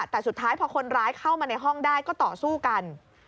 แต่สุดท้ายพอคนร้ายเข้ามาในห้องได้ก็ต่อสู้กัน